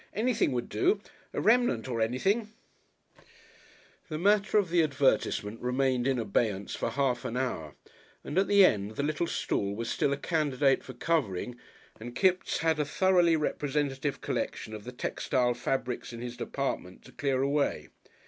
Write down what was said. Anything would do a remnant or anything " The matter of the advertisement remained in abeyance for half an hour, and at the end the little stool was still a candidate for covering and Kipps had a thoroughly representative collection of the textile fabrics in his department to clear away.